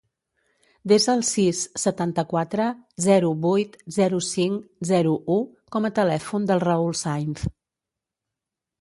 Desa el sis, setanta-quatre, zero, vuit, zero, cinc, zero, u com a telèfon del Raül Sainz.